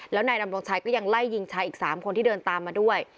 แล้วนายดำรงชัยก็ยังไล่ยิงชายอีก๓คนที่เดินตามมาด้วย